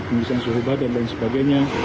pengisian suhu badan dan lain sebagainya